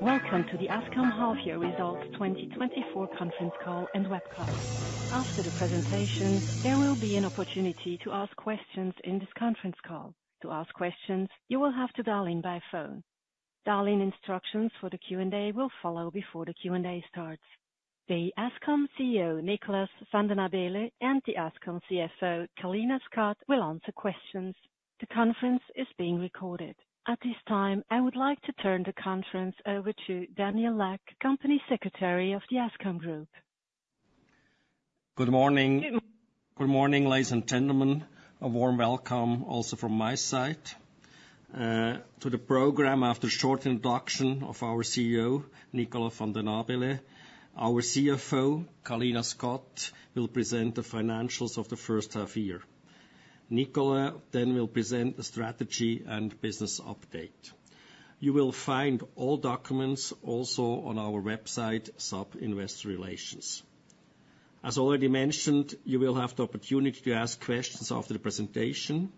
Welcome to the Ascom Half-Year Results 2024 Conference Call and Webcast. After the presentation, there will be an opportunity to ask questions in this conference call. To ask questions, you will have to dial in by phone. Dial-in instructions for the Q&A will follow before the Q&A starts. The Ascom CEO, Nicolas Vanden Abeele, and the Ascom CFO, Kalina Scott, will answer questions. The conference is being recorded. At this time, I would like to turn the conference over to Daniel Lack, Company Secretary of the Ascom Group. Good morning. Good. Good morning, ladies and gentlemen. A warm welcome also from my side to the program. After a short introduction of our CEO, Nicolas Vanden Abeele, our CFO, Kalina Scott, will present the financials of the first half year. Nicolas then will present the strategy and business update. You will find all documents also on our website, Ascom Investor Relations. As already mentioned, you will have the opportunity to ask questions after the presentation.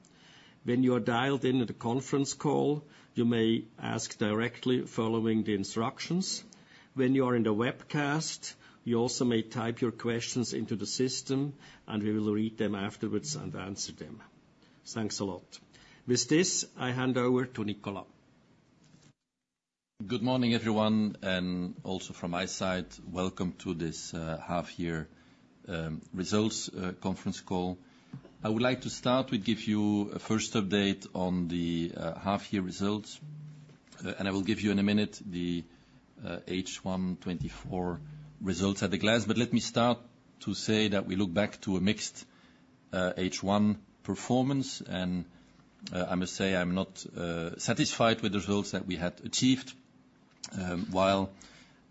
When you are dialed in at the conference call, you may ask directly following the instructions. When you are in the webcast, you also may type your questions into the system, and we will read them afterwards and answer them. Thanks a lot. With this, I hand over to Nicolas. Good morning, everyone, and also from my side, welcome to this half-year results conference call. I would like to start with giving you a first update on the half-year results, and I will give you in a minute the H1 2024 results at a glance. But let me start to say that we look back to a mixed H1 performance, and I must say I'm not satisfied with the results that we had achieved. While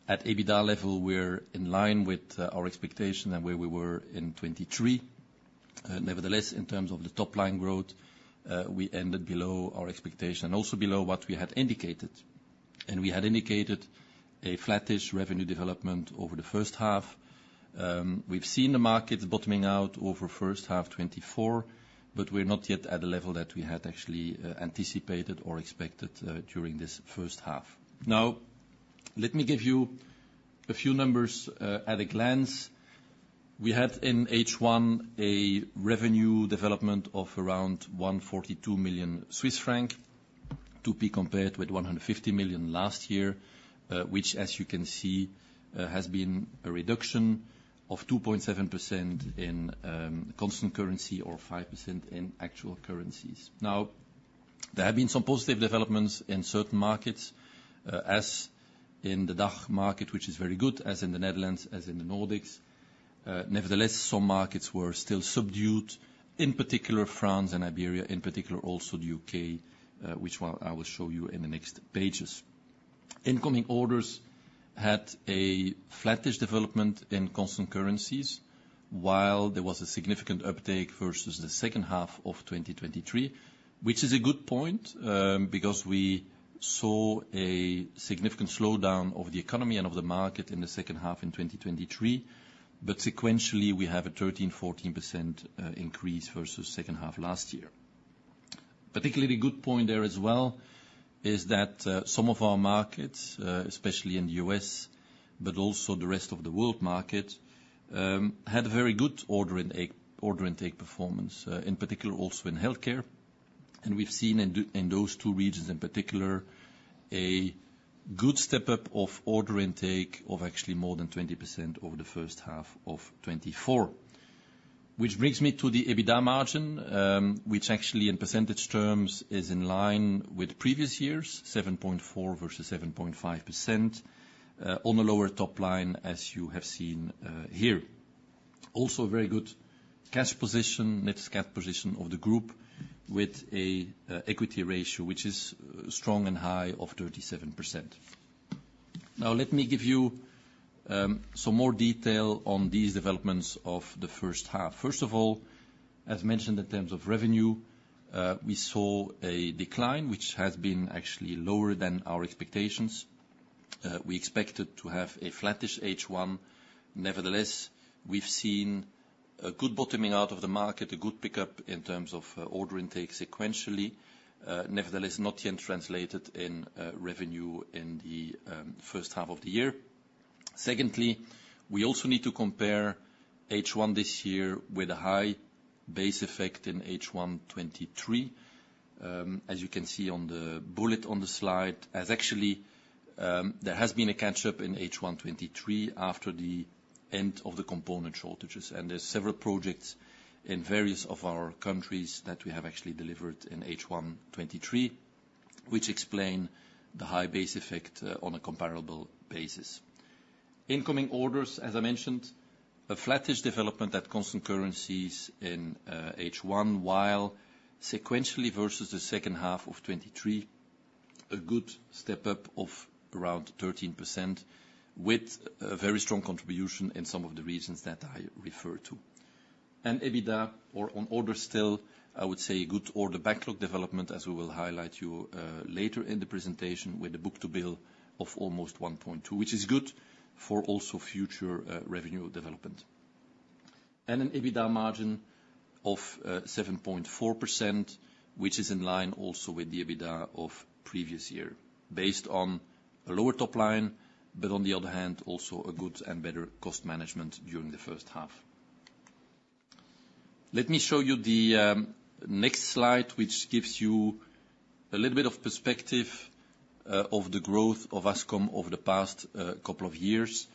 at EBITDA level, we're in line with our expectations and where we were in 2023. Nevertheless, in terms of the top-line growth, we ended below our expectations and also below what we had indicated. And we had indicated a flattish revenue development over the first half. We've seen the markets bottoming out over first half 2024, but we're not yet at the level that we had actually anticipated or expected during this first half. Now, let me give you a few numbers at a glance. We had in H1 a revenue development of around 142 million Swiss franc to be compared with 150 million last year, which, as you can see, has been a reduction of 2.7% in constant currency or 5% in actual currencies. Now, there have been some positive developments in certain markets, as in the DACH market, which is very good, as in the Netherlands, as in the Nordics. Nevertheless, some markets were still subdued, in particular France and Iberia, in particular also the UK, which I will show you in the next pages. Incoming orders had a flattish development in constant currencies while there was a significant uptake versus the second half of 2023, which is a good point because we saw a significant slowdown of the economy and of the market in the second half in 2023. But sequentially, we have a 13%-14% increase versus the second half last year. Particularly a good point there as well is that some of our markets, especially in the U.S., but also the rest of the world market, had a very good order intake performance, in particular also in healthcare. And we've seen in those two regions in particular a good step-up of order intake of actually more than 20% over the first half of 2024, which brings me to the EBITDA margin, which actually in percentage terms is in line with previous years, 7.4% versus 7.5% on the lower top line, as you have seen here. Also a very good cash position, net cash position of the group with an equity ratio which is strong and high of 37%. Now, let me give you some more detail on these developments of the first half. First of all, as mentioned in terms of revenue, we saw a decline which has been actually lower than our expectations. We expected to have a flattish H1. Nevertheless, we've seen a good bottoming out of the market, a good pickup in terms of order intake sequentially. Nevertheless, not yet translated in revenue in the first half of the year. Secondly, we also need to compare H1 this year with a high base effect in H123, as you can see on the bullet on the slide, as actually there has been a catch-up in H123 after the end of the component shortages. There are several projects in various of our countries that we have actually delivered in H123, which explain the high base effect on a comparable basis. Incoming orders, as I mentioned, a flattish development at constant currencies in H1 while sequentially versus the second half of 2023, a good step-up of around 13% with a very strong contribution in some of the regions that I referred to. And EBITDA or on order still, I would say a good order backlog development, as we will highlight later in the presentation with a book-to-bill of almost 1.2, which is good for also future revenue development. And an EBITDA margin of 7.4%, which is in line also with the EBITDA of previous year based on a lower top line, but on the other hand, also a good and better cost management during the first half. Let me show you the next slide, which gives you a little bit of perspective of the growth of Ascom over the past couple of years.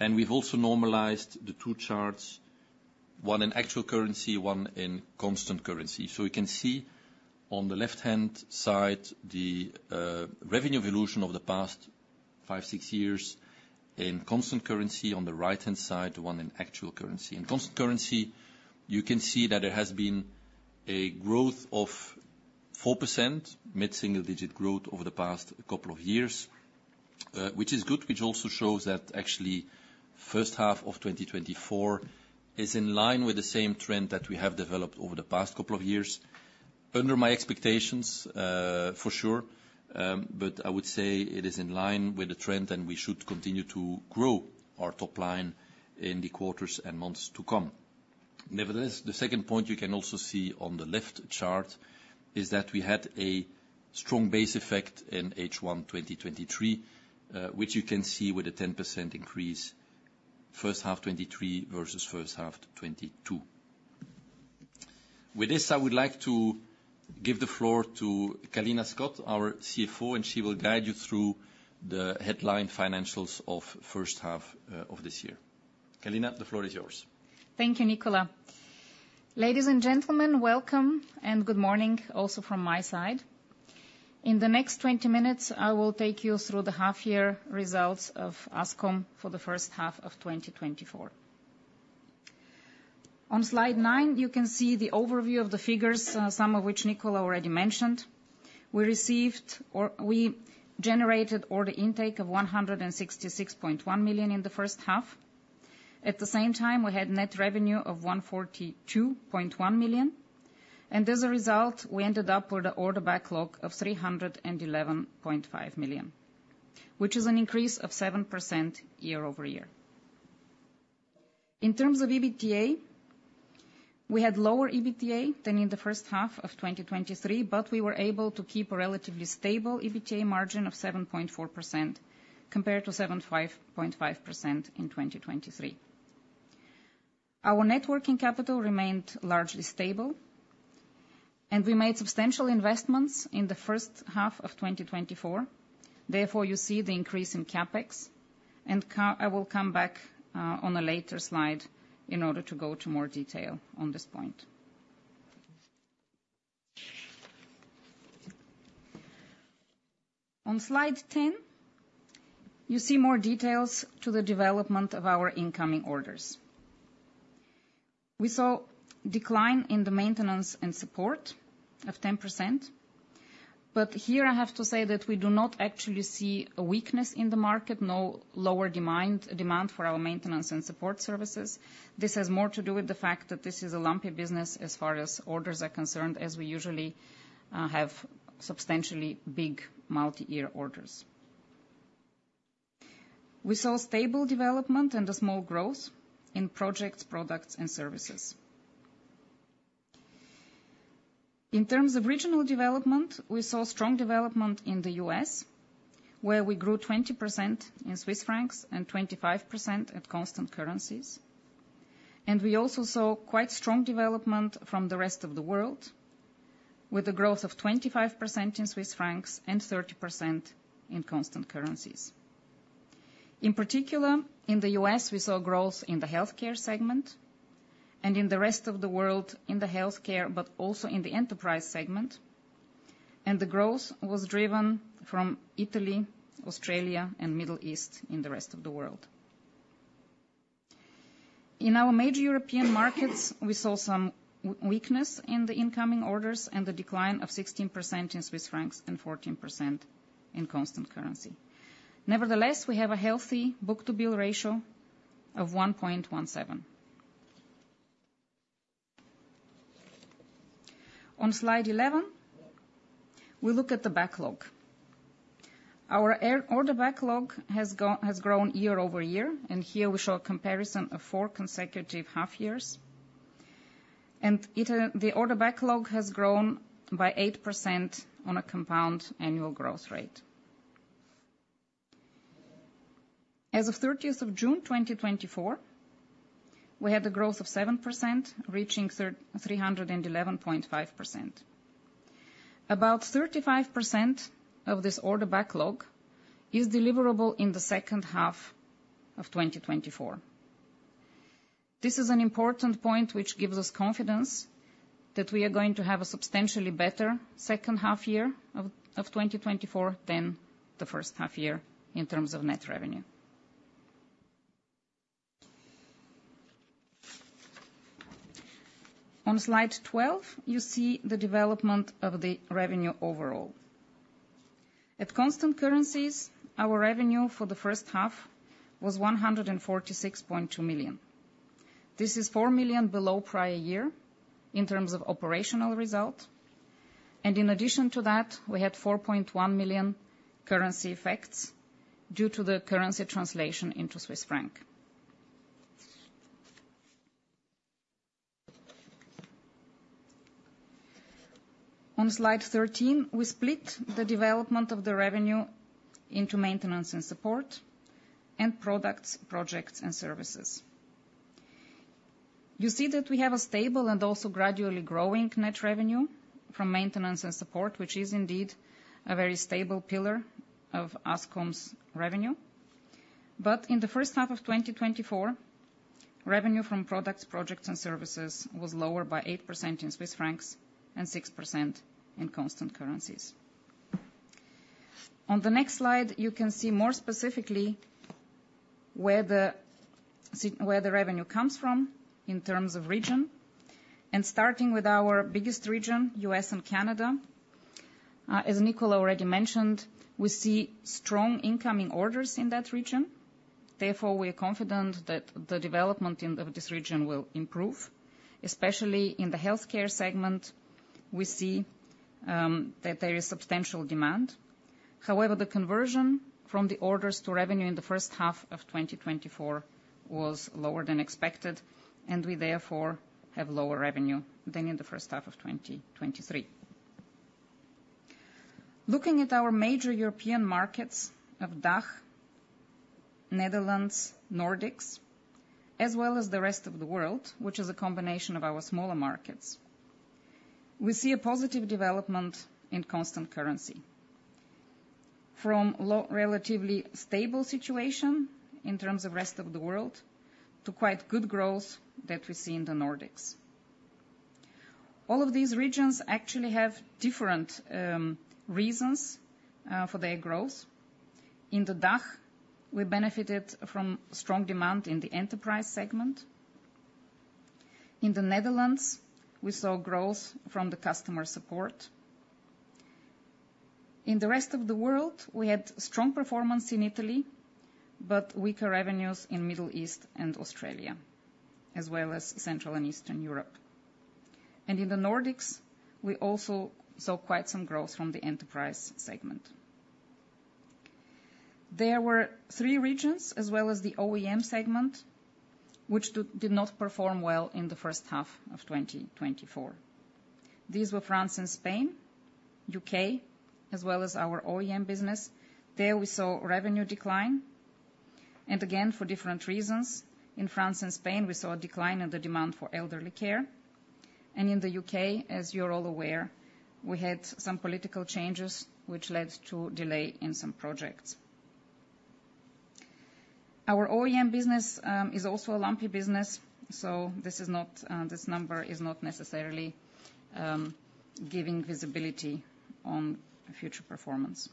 We've also normalized the two charts, one in actual currency, one in constant currency. So you can see on the left-hand side the revenue evolution of the past five, six years in constant currency, on the right-hand side, the one in actual currency. In constant currency, you can see that there has been a growth of 4%, mid-single-digit growth over the past couple of years, which is good, which also shows that actually first half of 2024 is in line with the same trend that we have developed over the past couple of years. Under my expectations, for sure, but I would say it is in line with the trend and we should continue to grow our top line in the quarters and months to come. Nevertheless, the second point you can also see on the left chart is that we had a strong base effect in H123, which you can see with a 10% increase first half 2023 versus first half 2022. With this, I would like to give the floor to Kalina Scott, our CFO, and she will guide you through the headline financials of first half of this year. Kalina, the floor is yours. Thank you, Nicolas. Ladies and gentlemen, welcome and good morning also from my side. In the next 20 minutes, I will take you through the half-year results of Ascom for the first half of 2024. On slide 9, you can see the overview of the figures, some of which Nicolas already mentioned. We generated order intake of 166.1 million in the first half. At the same time, we had net revenue of 142.1 million. And as a result, we ended up with an order backlog of 311.5 million, which is an increase of 7% year-over-year. In terms of EBITDA, we had lower EBITDA than in the first half of 2023, but we were able to keep a relatively stable EBITDA margin of 7.4% compared to 75.5% in 2023. Our net working capital remained largely stable, and we made substantial investments in the first half of 2024. Therefore, you see the increase in CapEx. I will come back on a later slide in order to go to more detail on this point. On slide 10, you see more details to the development of our incoming orders. We saw a decline in the maintenance and support of 10%. But here, I have to say that we do not actually see a weakness in the market, no lower demand for our maintenance and support services. This has more to do with the fact that this is a lumpy business as far as orders are concerned, as we usually have substantially big multi-year orders. We saw stable development and a small growth in projects, products, and services. In terms of regional development, we saw strong development in the US, where we grew 20% in CHF and 25% at constant currencies. We also saw quite strong development from the rest of the world with a growth of 25% in Swiss francs and 30% in constant currencies. In particular, in the U.S., we saw growth in the healthcare segment and in the rest of the world in the healthcare, but also in the enterprise segment. The growth was driven from Italy, Australia, and the Middle East in the rest of the world. In our major European markets, we saw some weakness in the incoming orders and a decline of 16% in Swiss francs and 14% in constant currency. Nevertheless, we have a healthy book-to-bill ratio of 1.17. On slide 11, we look at the backlog. Our order backlog has grown year-over-year, and here we show a comparison of four consecutive half-years. The order backlog has grown by 8% on a compound annual growth rate. As of 30th of June 2024, we had a growth of 7%, reaching 311.5%. About 35% of this order backlog is deliverable in the second half of 2024. This is an important point which gives us confidence that we are going to have a substantially better second half year of 2024 than the first half year in terms of net revenue. On slide 12, you see the development of the revenue overall. At constant currencies, our revenue for the first half was 146.2 million. This is 4 million below prior year in terms of operational result. And in addition to that, we had 4.1 million currency effects due to the currency translation into Swiss francs. On slide 13, we split the development of the revenue into maintenance and support and products, projects, and services. You see that we have a stable and also gradually growing net revenue from maintenance and support, which is indeed a very stable pillar of Ascom's revenue. But in the first half of 2024, revenue from products, projects, and services was lower by 8% in Swiss francs and 6% in constant currencies. On the next slide, you can see more specifically where the revenue comes from in terms of region. And starting with our biggest region, U.S. and Canada, as Nicolas already mentioned, we see strong incoming orders in that region. Therefore, we are confident that the development in this region will improve, especially in the healthcare segment. We see that there is substantial demand. However, the conversion from the orders to revenue in the first half of 2024 was lower than expected, and we therefore have lower revenue than in the first half of 2023. Looking at our major European markets of DACH, Netherlands, Nordics, as well as the rest of the world, which is a combination of our smaller markets, we see a positive development in constant currency from a relatively stable situation in terms of the rest of the world to quite good growth that we see in the Nordics. All of these regions actually have different reasons for their growth. In the DACH, we benefited from strong demand in the enterprise segment. In the Netherlands, we saw growth from the customer support. In the rest of the world, we had strong performance in Italy, but weaker revenues in the Middle East and Australia, as well as Central and Eastern Europe. In the Nordics, we also saw quite some growth from the enterprise segment. There were three regions, as well as the OEM segment, which did not perform well in the first half of 2024. These were France and Spain, UK, as well as our OEM business. There we saw revenue decline. And again, for different reasons, in France and Spain, we saw a decline in the demand for elderly care. And in the UK, as you're all aware, we had some political changes which led to a delay in some projects. Our OEM business is also a lumpy business, so this number is not necessarily giving visibility on future performance.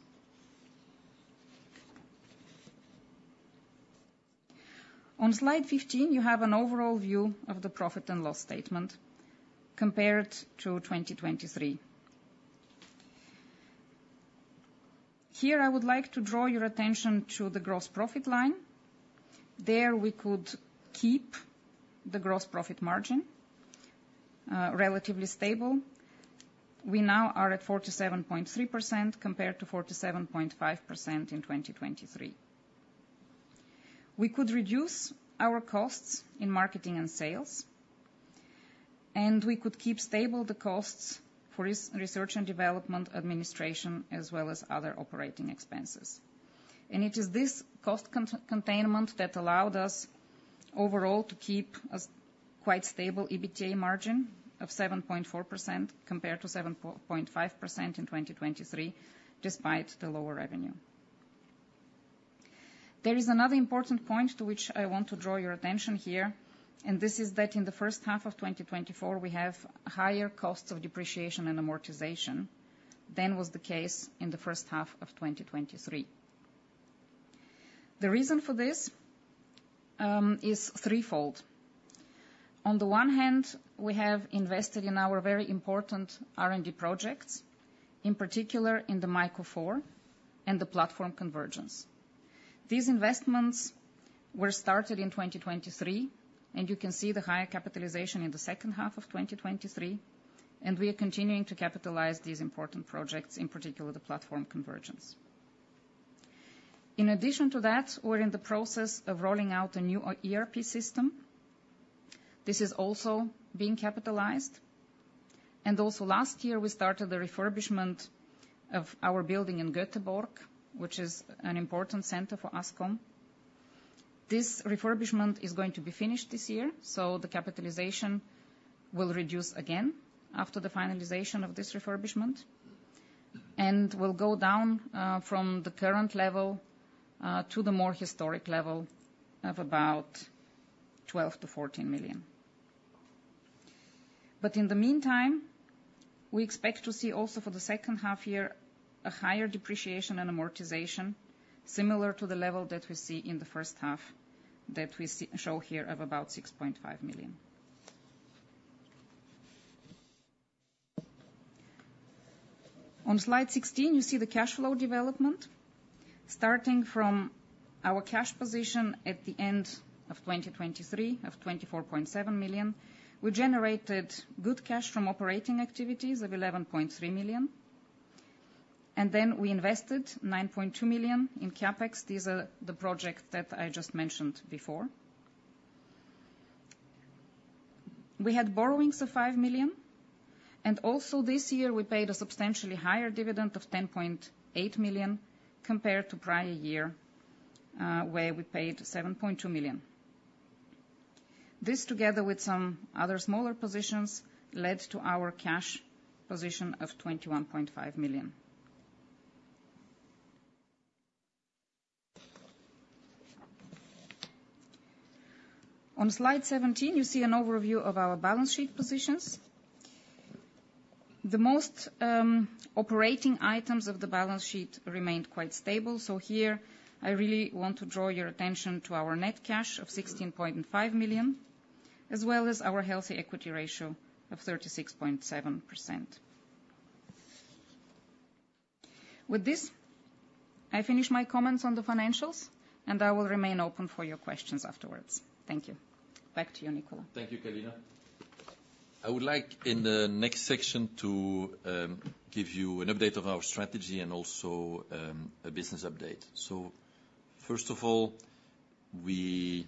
On slide 15, you have an overall view of the profit and loss statement compared to 2023. Here, I would like to draw your attention to the gross profit line. There we could keep the gross profit margin relatively stable. We now are at 47.3% compared to 47.5% in 2023. We could reduce our costs in marketing and sales, and we could keep stable the costs for research and development administration as well as other operating expenses. It is this cost containment that allowed us overall to keep a quite stable EBITDA margin of 7.4% compared to 7.5% in 2023, despite the lower revenue. There is another important point to which I want to draw your attention here, and this is that in the first half of 2024, we have higher costs of depreciation and amortization than was the case in the first half of 2023. The reason for this is threefold. On the one hand, we have invested in our very important R&D projects, in particular in the Myco 4 and the platform convergence. These investments were started in 2023, and you can see the higher capitalization in the second half of 2023, and we are continuing to capitalize these important projects, in particular the platform convergence. In addition to that, we're in the process of rolling out a new ERP system. This is also being capitalized. Also last year, we started the refurbishment of our building in Göteborg, which is an important center for Ascom. This refurbishment is going to be finished this year, so the capitalization will reduce again after the finalization of this refurbishment and will go down from the current level to the more historic level of about 12 million-14 million. But in the meantime, we expect to see also for the second half year a higher depreciation and amortization similar to the level that we see in the first half that we show here of about 6.5 million. On slide 16, you see the cash flow development. Starting from our cash position at the end of 2023 of 24.7 million, we generated good cash from operating activities of 11.3 million. Then we invested 9.2 million in CapEx. These are the projects that I just mentioned before. We had borrowings of 5 million, and also this year, we paid a substantially higher dividend of 10.8 million compared to prior year where we paid 7.2 million. This, together with some other smaller positions, led to our cash position of 21.5 million. On slide 17, you see an overview of our balance sheet positions. The most operating items of the balance sheet remained quite stable. So here, I really want to draw your attention to our net cash of 16.5 million, as well as our healthy equity ratio of 36.7%. With this, I finish my comments on the financials, and I will remain open for your questions afterwards. Thank you. Back to you, Nicolas. Thank you, Kalina. I would like, in the next section, to give you an update of our strategy and also a business update. So first of all, we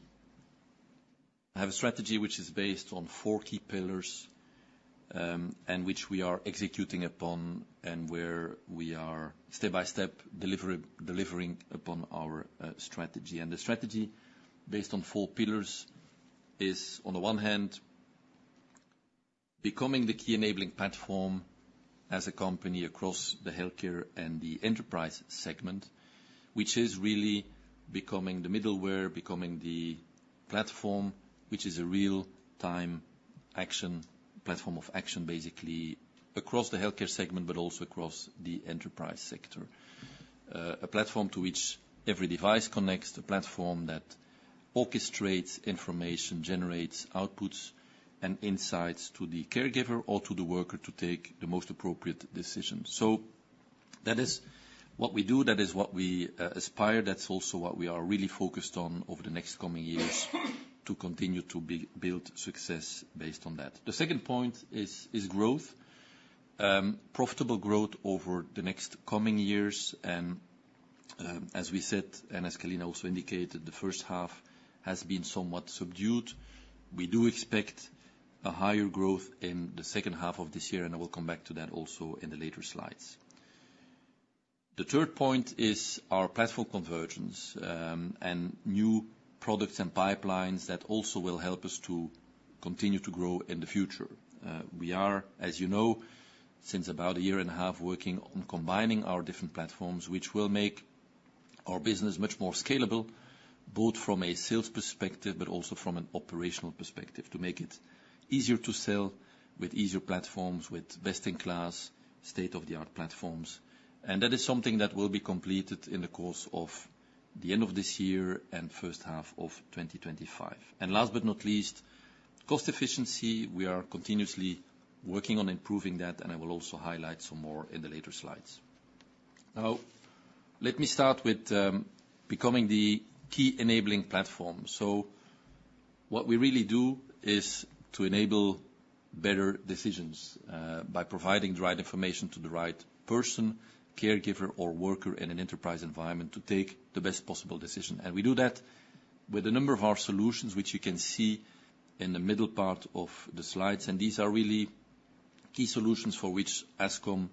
have a strategy which is based on four key pillars and which we are executing upon and where we are step-by-step delivering upon our strategy. The strategy based on four pillars is, on the one hand, becoming the key enabling platform as a company across the healthcare and the enterprise segment, which is really becoming the middleware, becoming the platform which is a real-time action platform of action, basically, across the healthcare segment, but also across the enterprise sector. A platform to which every device connects, a platform that orchestrates information, generates outputs and insights to the caregiver or to the worker to take the most appropriate decisions. So that is what we do. That is what we aspire. That's also what we are really focused on over the next coming years to continue to build success based on that. The second point is growth, profitable growth over the next coming years. As we said, and as Kalina also indicated, the first half has been somewhat subdued. We do expect a higher growth in the second half of this year, and I will come back to that also in the later slides. The third point is our platform convergence and new products and pipelines that also will help us to continue to grow in the future. We are, as you know, since about a year and a half working on combining our different platforms, which will make our business much more scalable, both from a sales perspective but also from an operational perspective, to make it easier to sell with easier platforms, with best-in-class, state-of-the-art platforms. And that is something that will be completed in the course of the end of this year and first half of 2025. And last but not least, cost efficiency. We are continuously working on improving that, and I will also highlight some more in the later slides. Now, let me start with becoming the key enabling platform. What we really do is to enable better decisions by providing the right information to the right person, caregiver, or worker in an enterprise environment to take the best possible decision. We do that with a number of our solutions, which you can see in the middle part of the slides. These are really key solutions for which Ascom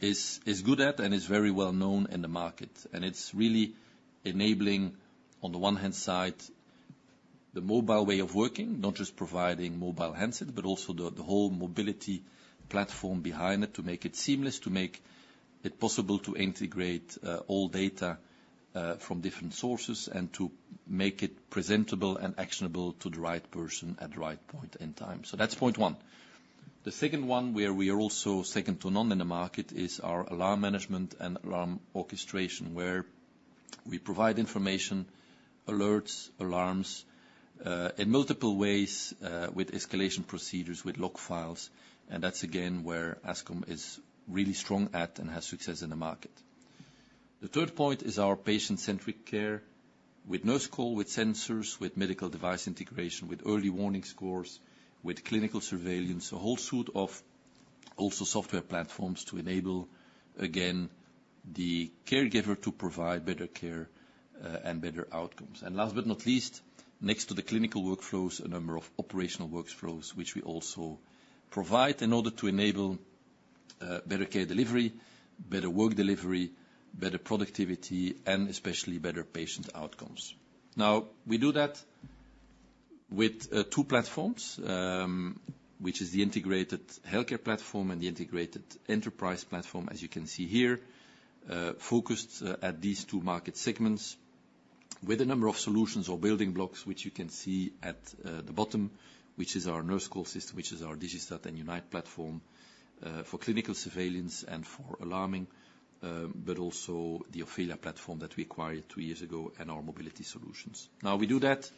is good at and is very well known in the market. It's really enabling, on the one hand side, the mobile way of working, not just providing mobile handsets, but also the whole mobility platform behind it to make it seamless, to make it possible to integrate all data from different sources and to make it presentable and actionable to the right person at the right point in time. That's point one. The second one, where we are also second to none in the market, is our alarm management and alarm orchestration, where we provide information, alerts, alarms in multiple ways with escalation procedures, with log files. That's, again, where Ascom is really strong at and has success in the market. The third point is our patient-centric care with Nurse Call, with sensors, with medical device integration, with early warning scores, with clinical surveillance, a whole suite of also software platforms to enable, again, the caregiver to provide better care and better outcomes. Last but not least, next to the clinical workflows, a number of operational workflows, which we also provide in order to enable better care delivery, better work delivery, better productivity, and especially better patient outcomes. Now, we do that with two platforms, which is the integrated healthcare platform and the integrated enterprise platform, as you can see here, focused at these two market segments with a number of solutions or building blocks, which you can see at the bottom, which is our Nurse Call system, which is our Digistat and Unite platform for clinical surveillance and for alarming, but also the Ofelia platform that we acquired two years ago and our mobility solutions. Now, we do that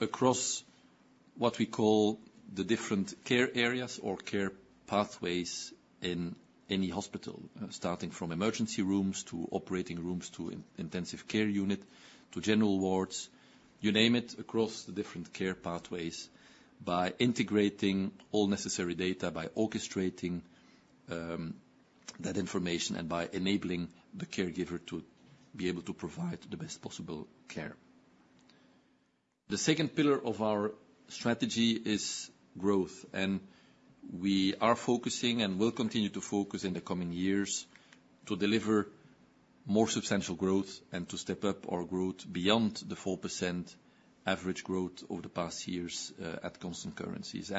across what we call the different care areas or care pathways in any hospital, starting from emergency rooms to operating rooms to intensive care unit to general wards, you name it, across the different care pathways by integrating all necessary data, by orchestrating that information, and by enabling the caregiver to be able to provide the best possible care. The second pillar of our strategy is growth, and we are focusing and will continue to focus in the coming years to deliver more substantial growth and to step up our growth beyond the 4% average growth over the past years at constant currencies.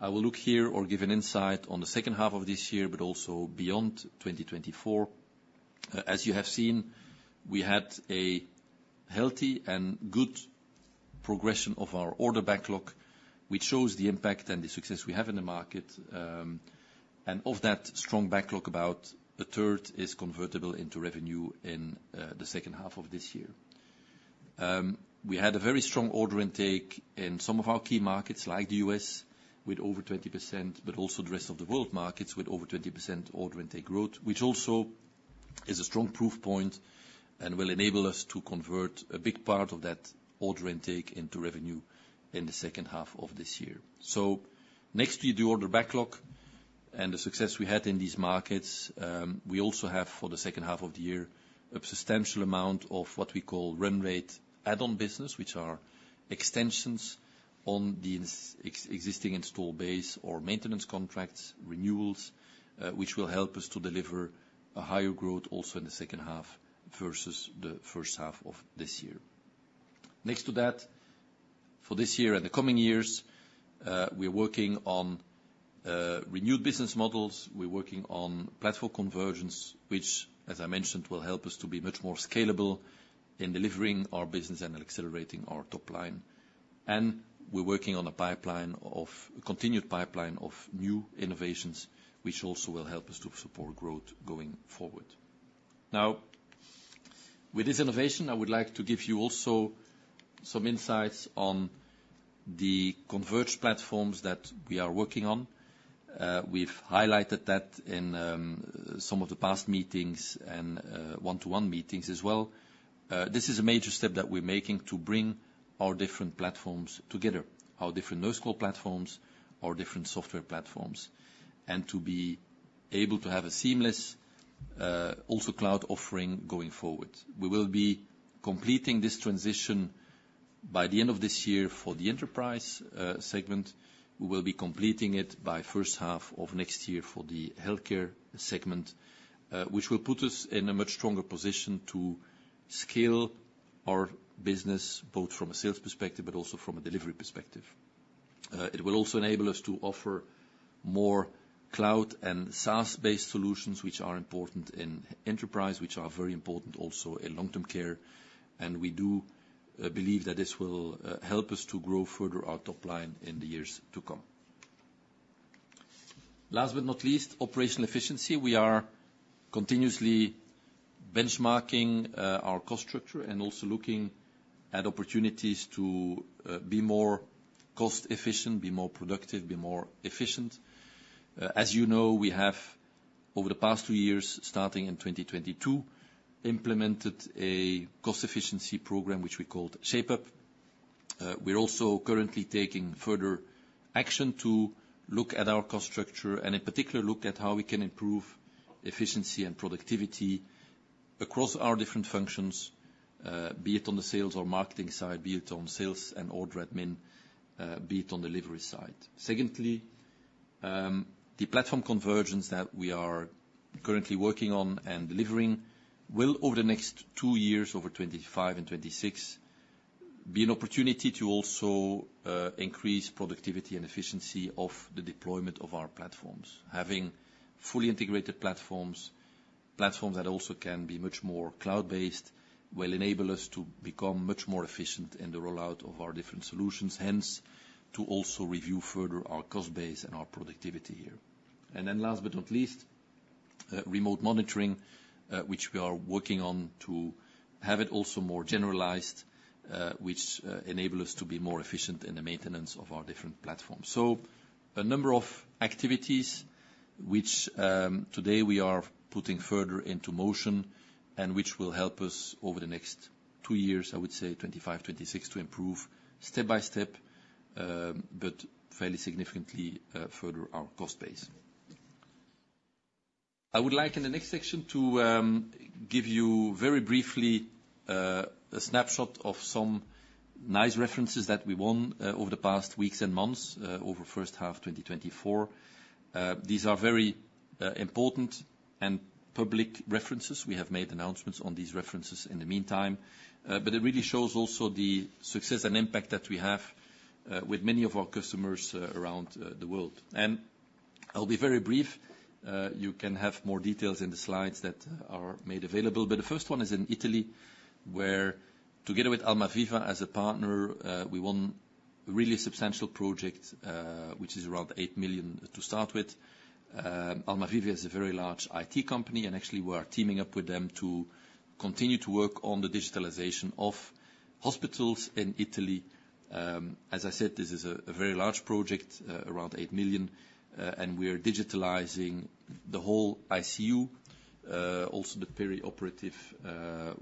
I will look here or give an insight on the second half of this year, but also beyond 2024. As you have seen, we had a healthy and good progression of our order backlog, which shows the impact and the success we have in the market. Of that strong backlog, about a third is convertible into revenue in the second half of this year. We had a very strong order intake in some of our key markets like the U.S. with over 20%, but also the rest of the world markets with over 20% order intake growth, which also is a strong proof point and will enable us to convert a big part of that order intake into revenue in the second half of this year. So next to the order backlog and the success we had in these markets, we also have for the second half of the year a substantial amount of what we call run rate add-on business, which are extensions on the existing install base or maintenance contracts, renewals, which will help us to deliver a higher growth also in the second half versus the first half of this year. Next to that, for this year and the coming years, we are working on renewed business models. We're working on platform convergence, which, as I mentioned, will help us to be much more scalable in delivering our business and accelerating our top line. We're working on a pipeline of continued pipeline of new innovations, which also will help us to support growth going forward. Now, with this innovation, I would like to give you also some insights on the converged platforms that we are working on. We've highlighted that in some of the past meetings and one-to-one meetings as well. This is a major step that we're making to bring our different platforms together, our different Nurse Call platforms, our different software platforms, and to be able to have a seamless also cloud offering going forward. We will be completing this transition by the end of this year for the enterprise segment. We will be completing it by first half of next year for the healthcare segment, which will put us in a much stronger position to scale our business both from a sales perspective but also from a delivery perspective. It will also enable us to offer more cloud and SaaS-based solutions, which are important in enterprise, which are very important also in long-term care. And we do believe that this will help us to grow further our top line in the years to come. Last but not least, operational efficiency. We are continuously benchmarking our cost structure and also looking at opportunities to be more cost-efficient, be more productive, be more efficient. As you know, we have, over the past two years, starting in 2022, implemented a cost-efficiency program, which we called Shape Up. We're also currently taking further action to look at our cost structure and, in particular, look at how we can improve efficiency and productivity across our different functions, be it on the sales or marketing side, be it on sales and order admin, be it on delivery side. Secondly, the platform convergence that we are currently working on and delivering will, over the next two years, over 2025 and 2026, be an opportunity to also increase productivity and efficiency of the deployment of our platforms. Having fully integrated platforms, platforms that also can be much more cloud-based, will enable us to become much more efficient in the rollout of our different solutions, hence to also review further our cost base and our productivity here. And then last but not least, remote monitoring, which we are working on to have it also more generalized, which enables us to be more efficient in the maintenance of our different platforms. So a number of activities which today we are putting further into motion and which will help us over the next two years, I would say 2025, 2026, to improve step by step, but fairly significantly further our cost base. I would like, in the next section, to give you very briefly a snapshot of some nice references that we won over the past weeks and months over first half 2024. These are very important and public references. We have made announcements on these references in the meantime, but it really shows also the success and impact that we have with many of our customers around the world. And I'll be very brief. You can have more details in the slides that are made available. But the first one is in Italy, where, together with Almaviva as a partner, we won a really substantial project, which is around 8 million to start with. Almaviva is a very large IT company, and actually, we are teaming up with them to continue to work on the digitalization of hospitals in Italy. As I said, this is a very large project, around 8 million, and we are digitalizing the whole ICU, also the peri-operative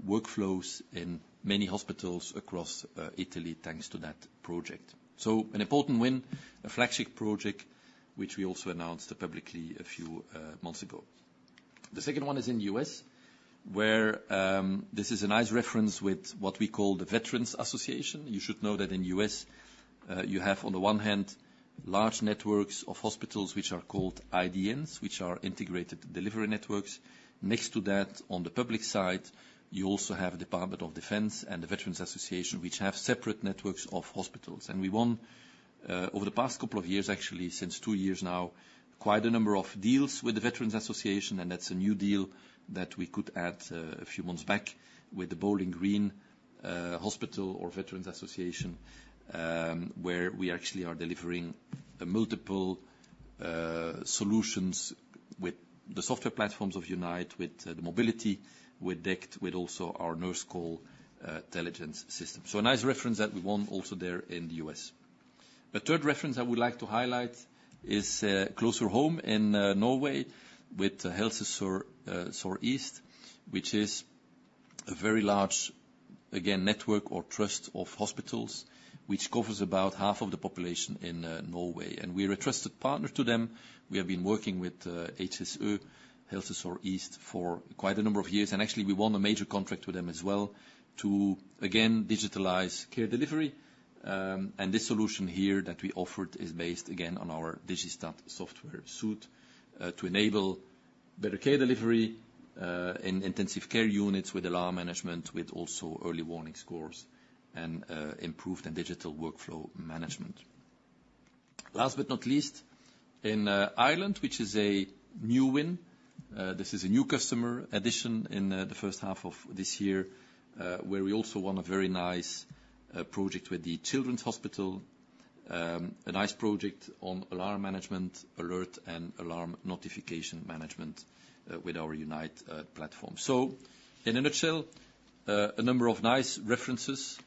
workflows in many hospitals across Italy thanks to that project. So an important win, a flagship project, which we also announced publicly a few months ago. The second one is in the U.S., where this is a nice reference with what we call the Veterans Association. You should know that in the US, you have, on the one hand, large networks of hospitals which are called IDNs, which are Integrated Delivery Networks. Next to that, on the public side, you also have the Department of Defense and the Veterans Affairs, which have separate networks of hospitals. And we won, over the past couple of years, actually, since 2 years now, quite a number of deals with the Veterans Affairs, and that's a new deal that we could add a few months back with the Bowling Green Hospital or Veterans Affairs, where we actually are delivering multiple solutions with the software platforms of Unite, with the mobility, with DECT, with also our Nurse Call intelligence system. So a nice reference that we won also there in the US. The third reference I would like to highlight is closer home in Norway with Helse Sør-Øst, which is a very large, again, network or trust of hospitals which covers about half of the population in Norway. We are a trusted partner to them. We have been working with Helse Sør-Øst for quite a number of years, and actually, we won a major contract with them as well to, again, digitalize care delivery. This solution here that we offered is based, again, on our Digistat software suite to enable better care delivery in intensive care units with alarm management, with also early warning scores and improved digital workflow management. Last but not least, in Ireland, which is a new win. This is a new customer addition in the first half of this year, where we also won a very nice project with Children's Health Ireland, a nice project on alarm management, alert and alarm notification management with our Unite platform. So, in a nutshell, a number of nice references.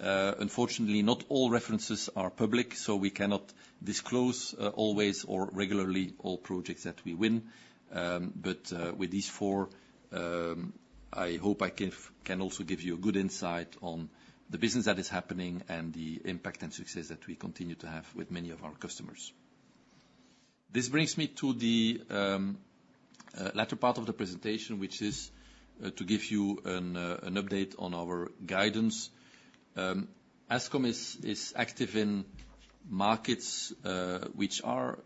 Unfortunately, not all references are public, so we cannot disclose always or regularly all projects that we win. But with these four, I hope I can also give you a good insight on the business that is happening and the impact and success that we continue to have with many of our customers. This brings me to the latter part of the presentation, which is to give you an update on our guidance. Ascom is active in markets which are,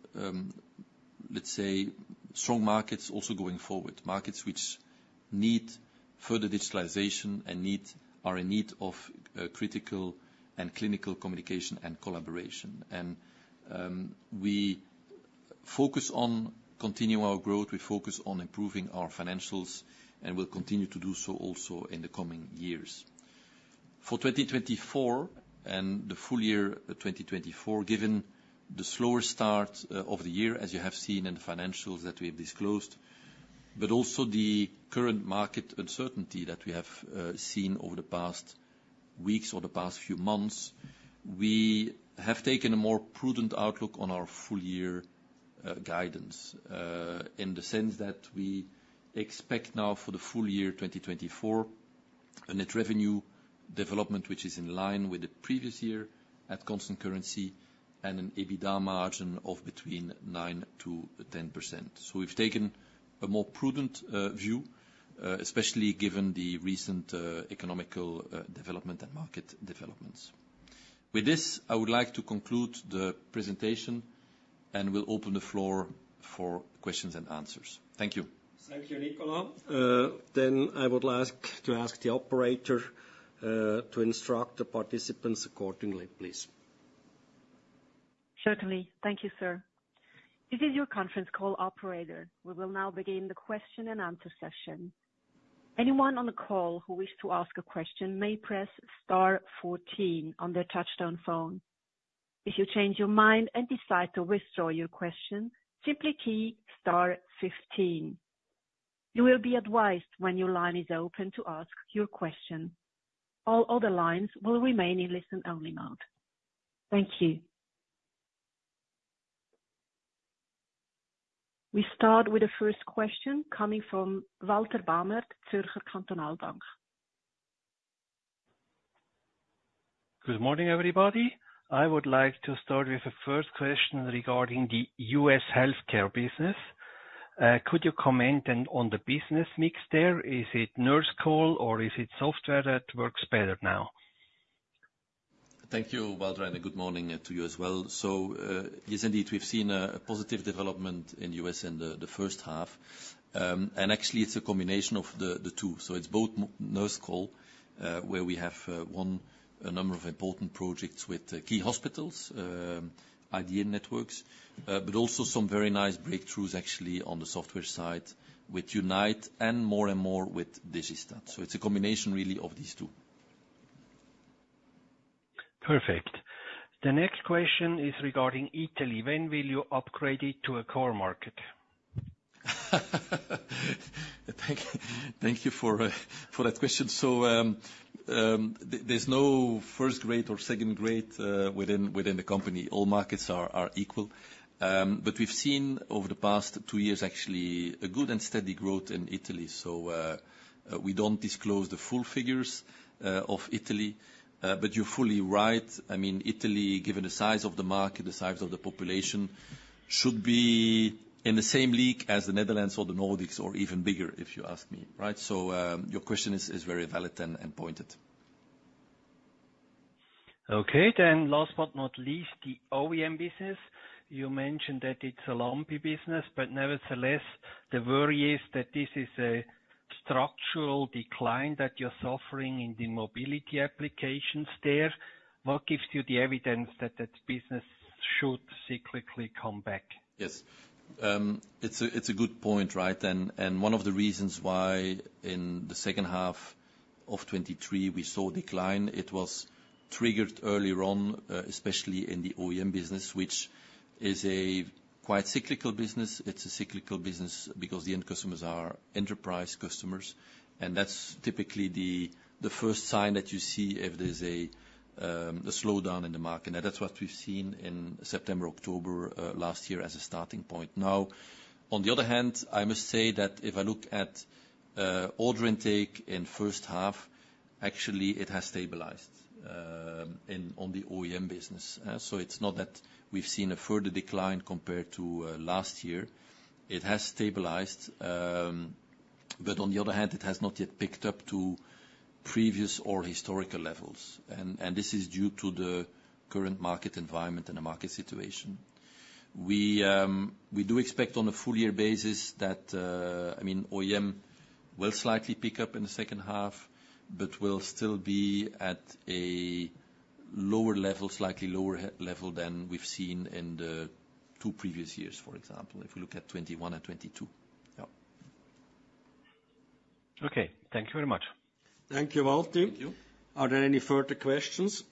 let's say, strong markets also going forward, markets which need further digitalization and are in need of critical and clinical communication and collaboration. We focus on continuing our growth. We focus on improving our financials, and we'll continue to do so also in the coming years. For 2024 and the full year 2024, given the slower start of the year, as you have seen in the financials that we have disclosed, but also the current market uncertainty that we have seen over the past weeks or the past few months, we have taken a more prudent outlook on our full-year guidance in the sense that we expect now for the full year 2024 a net revenue development which is in line with the previous year at constant currency and an EBITDA margin of between 9%-10%. We've taken a more prudent view, especially given the recent economic development and market developments. With this, I would like to conclude the presentation and we'll open the floor for questions and answers. Thank you. Thank you, Nicolas. Then I would like to ask the operator to instruct the participants accordingly, please. Certainly. Thank you, sir. This is your conference call operator. We will now begin the question and answer session. Anyone on the call who wishes to ask a question may press star 14 on their touch-tone phone. If you change your mind and decide to withdraw your question, simply key star 15. You will be advised when your line is open to ask your question. All other lines will remain in listen-only mode. Thank you. We start with the first question coming from Walter Bamert, Zürcher Kantonalbank. Good morning, everybody. I would like to start with the first question regarding the U.S. healthcare business. Could you comment on the business mix there? Is it Nurse Call or is it software that works better now? Thank you, Walter. And good morning to you as well. So yes, indeed, we've seen a positive development in the U.S. in the first half. And actually, it's a combination of the two. So it's both Nurse Call, where we have won a number of important projects with key hospitals, IDN networks, but also some very nice breakthroughs actually on the software side with Unite and more and more with Digistat. So it's a combination really of these two. Perfect. The next question is regarding Italy. When will you upgrade it to a core market? Thank you for that question. So there's no first grade or second grade within the company. All markets are equal. But we've seen over the past two years actually a good and steady growth in Italy. So we don't disclose the full figures of Italy, but you're fully right. I mean, Italy, given the size of the market, the size of the population, should be in the same league as the Netherlands or the Nordics or even bigger, if you ask me, right? So your question is very valid and pointed. Okay. Then last but not least, the OEM business. You mentioned that it's a lumpy business, but nevertheless, the worry is that this is a structural decline that you're suffering in the mobility applications there. What gives you the evidence that that business should cyclically come back? Yes. It's a good point, right? And one of the reasons why in the second half of 2023 we saw decline, it was triggered early on, especially in the OEM business, which is a quite cyclical business. It's a cyclical business because the end customers are enterprise customers. And that's typically the first sign that you see if there's a slowdown in the market. And that's what we've seen in September, October last year as a starting point. Now, on the other hand, I must say that if I look at order intake in first half, actually, it has stabilized on the OEM business. So it's not that we've seen a further decline compared to last year. It has stabilized, but on the other hand, it has not yet picked up to previous or historical levels. And this is due to the current market environment and the market situation. We do expect, on a full-year basis, that, I mean, OEM will slightly pick up in the second half, but will still be at a lower level, slightly lower level than we've seen in the two previous years, for example, if we look at 2021 and 2022. Yeah. Okay. Thank you very much. Thank you, Walter. Are there any further questions?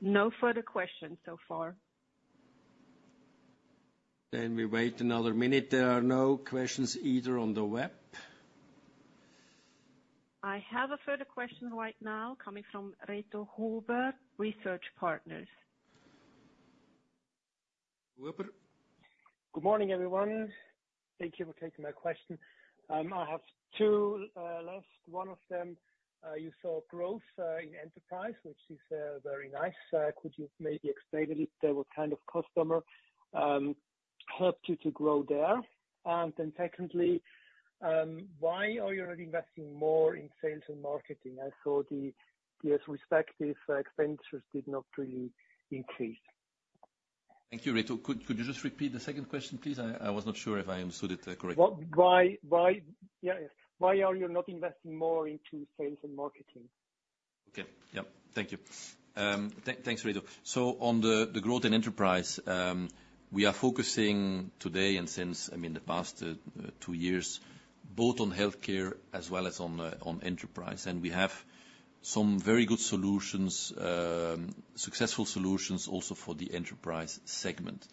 No further questions so far. Then we wait another minute. There are no questions either on the web. I have a further question right now coming from Reto Huber, Research Partners. Good morning, everyone. Thank you for taking my question. I have two left. One of them, you saw growth in enterprise, which is very nice. Could you maybe explain a bit what kind of customer helped you to grow there? And then secondly, why are you already investing more in sales and marketing? I saw the respective expenditures did not really increase. Thank you, Reto. Could you just repeat the second question, please? I was not sure if I understood it correctly. Why are you not investing more into sales and marketing? Okay. Yeah. Thank you. Thanks, Reto. So on the growth in enterprise, we are focusing today and since, I mean, the past two years, both on healthcare as well as on enterprise. And we have some very good solutions, successful solutions also for the enterprise segment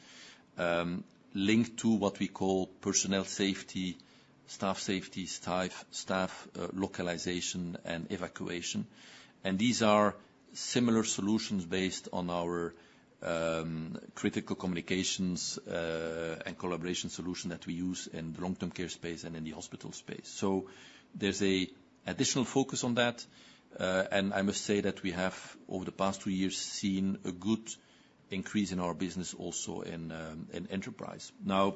linked to what we call personnel safety, staff safety, staff localization, and evacuation. And these are similar solutions based on our critical communications and collaboration solutions that we use in the long-term care space and in the hospital space. So there's an additional focus on that. And I must say that we have, over the past two years, seen a good increase in our business also in enterprise. Now,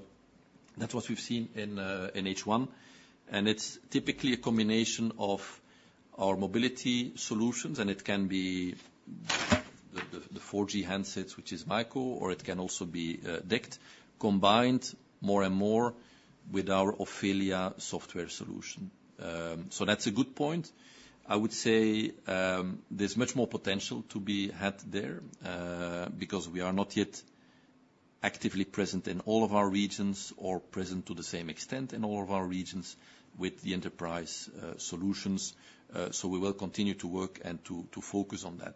that's what we've seen in H1. It's typically a combination of our mobility solutions, and it can be the 4G handsets, which is Myco, or it can also be DECT, combined more and more with our Ofelia software solution. So that's a good point. I would say there's much more potential to be had there because we are not yet actively present in all of our regions or present to the same extent in all of our regions with the enterprise solutions. So we will continue to work and to focus on that,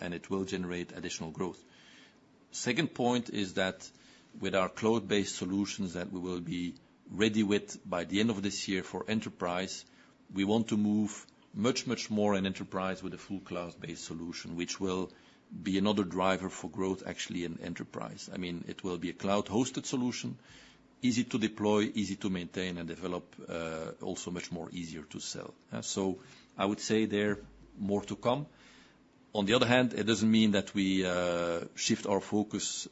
and it will generate additional growth. Second point is that with our cloud-based solutions that we will be ready with by the end of this year for enterprise, we want to move much, much more in enterprise with a full cloud-based solution, which will be another driver for growth actually in enterprise. I mean, it will be a cloud-hosted solution, easy to deploy, easy to maintain and develop, also much more easier to sell. So I would say there's more to come. On the other hand, it doesn't mean that we shift our focus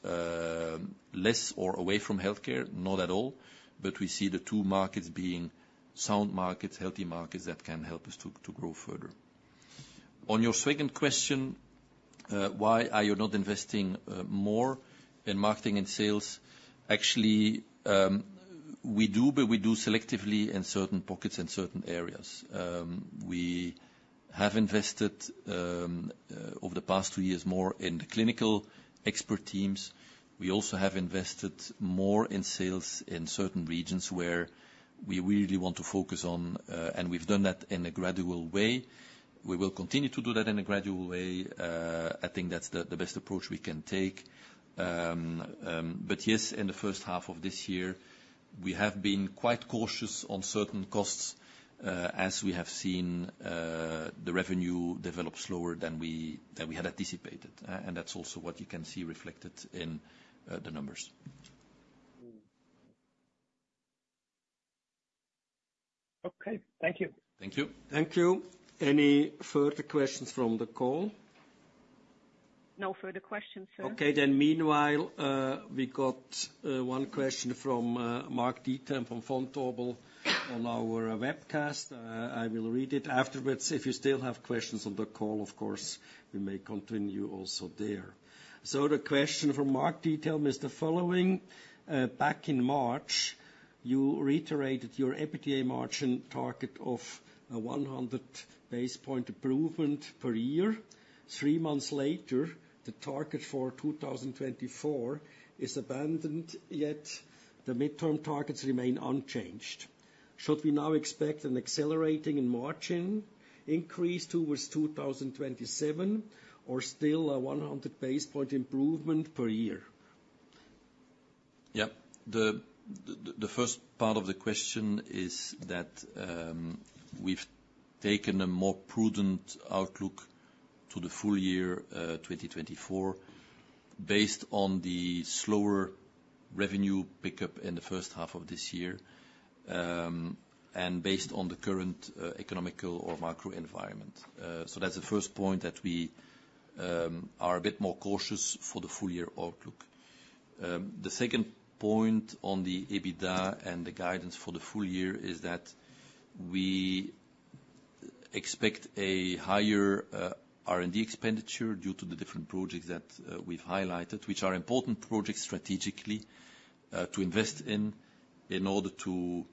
less or away from healthcare, not at all, but we see the two markets being sound markets, healthy markets that can help us to grow further. On your second question, why are you not investing more in marketing and sales? Actually, we do, but we do selectively in certain pockets and certain areas. We have invested over the past two years more in clinical expert teams. We also have invested more in sales in certain regions where we really want to focus on, and we've done that in a gradual way. We will continue to do that in a gradual way. I think that's the best approach we can take. But yes, in the first half of this year, we have been quite cautious on certain costs as we have seen the revenue develop slower than we had anticipated. And that's also what you can see reflected in the numbers. Okay. Thank you. Thank you. Thank you. Any further questions from the call? No further questions, sir. Okay. Then meanwhile, we got one question from Marc Diethelm from Vontobel on our webcast. I will read it afterwards. If you still have questions on the call, of course, we may continue also there. So the question from Marc Diethelm is the following. Back in March, you reiterated your EBITDA margin target of 100 basis point improvement per year. Three months later, the target for 2024 is abandoned, yet the midterm targets remain unchanged. Should we now expect an accelerating margin increase towards 2027 or still a 100 basis point improvement per year? Yeah. The first part of the question is that we've taken a more prudent outlook to the full year 2024 based on the slower revenue pickup in the first half of this year and based on the current economic or macro environment. So that's the first point that we are a bit more cautious for the full-year outlook. The second point on the EBITDA and the guidance for the full year is that we expect a higher R&D expenditure due to the different projects that we've highlighted, which are important projects strategically to invest in in order to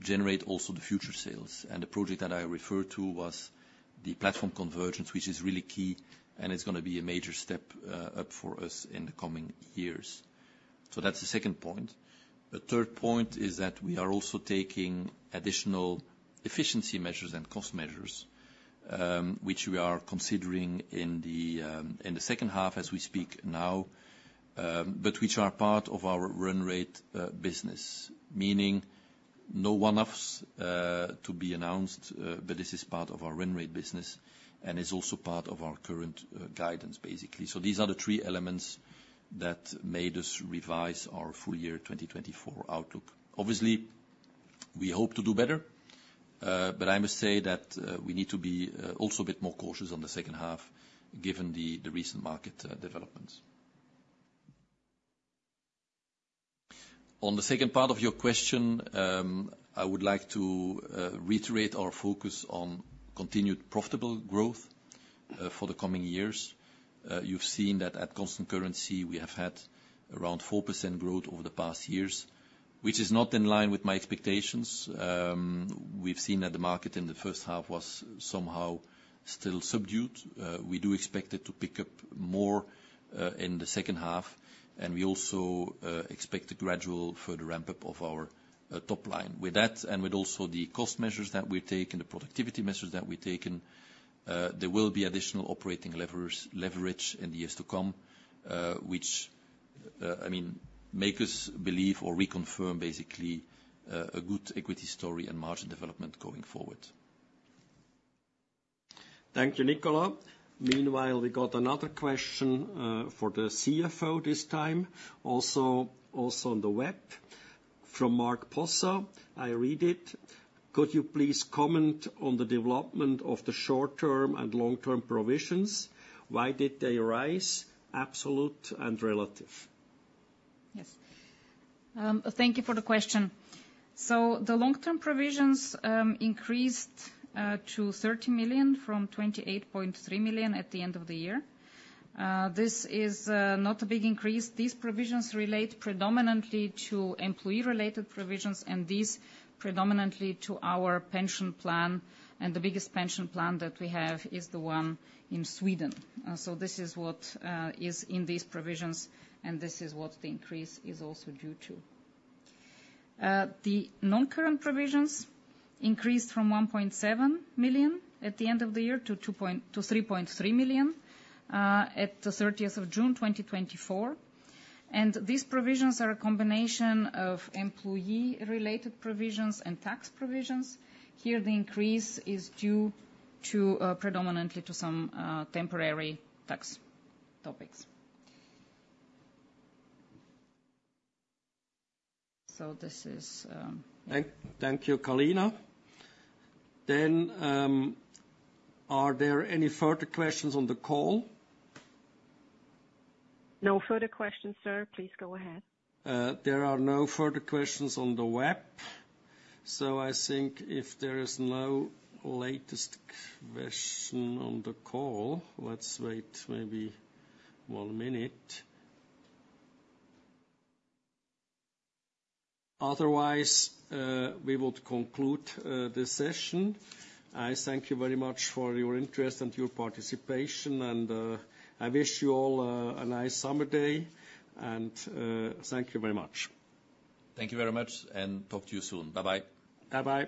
generate also the future sales. And the project that I referred to was the platform convergence, which is really key and is going to be a major step up for us in the coming years. So that's the second point. The third point is that we are also taking additional efficiency measures and cost measures, which we are considering in the second half as we speak now, but which are part of our run rate business, meaning no one-offs to be announced, but this is part of our run rate business and is also part of our current guidance, basically. So these are the three elements that made us revise our full year 2024 outlook. Obviously, we hope to do better, but I must say that we need to be also a bit more cautious on the second half given the recent market developments. On the second part of your question, I would like to reiterate our focus on continued profitable growth for the coming years. You've seen that at constant currency, we have had around 4% growth over the past years, which is not in line with my expectations. We've seen that the market in the first half was somehow still subdued. We do expect it to pick up more in the second half, and we also expect a gradual further ramp-up of our top line. With that, and with also the cost measures that we've taken, the productivity measures that we've taken, there will be additional operating leverage in the years to come, which, I mean, makes us believe or reconfirm basically a good equity story and margin development going forward. Thank you, Nicolas. Meanwhile, we got another question for the CFO this time, also on the web from Marc Possa. I read it. Could you please comment on the development of the short-term and long-term provisions? Why did they arise? Absolute and relative. Yes. Thank you for the question. So the long-term provisions increased to 30 million from 28.3 million at the end of the year. This is not a big increase. These provisions relate predominantly to employee-related provisions and these predominantly to our pension plan. And the biggest pension plan that we have is the one in Sweden. So this is what is in these provisions, and this is what the increase is also due to. The non-current provisions increased from 1.7 million at the end of the year to 3.3 million at the 30th of June 2024. And these provisions are a combination of employee-related provisions and tax provisions. Here, the increase is due predominantly to some temporary tax topics. So this is. Thank you, Kalina. Are there any further questions on the call? No further questions, sir. Please go ahead. There are no further questions on the web. I think if there is no latest question on the call, let's wait maybe one minute. Otherwise, we would conclude this session. I thank you very much for your interest and your participation, and I wish you all a nice summer day. Thank you very much. Thank you very much, and talk to you soon. Bye-bye. Bye-bye.